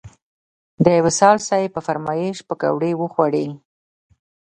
د وصال صیب په فرمایش پکوړې وخوړې.